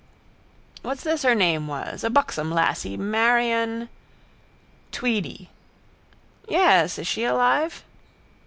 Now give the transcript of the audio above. —What's this her name was? A buxom lassy. Marion... —Tweedy. —Yes. Is she alive?